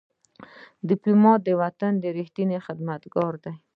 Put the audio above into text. ډيپلومات د وطن ریښتینی خدمتګار دی.